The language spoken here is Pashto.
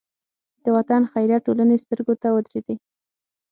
د وطن خیریه ټولنې سترګو ته ودرېدې.